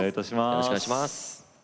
よろしくお願いします。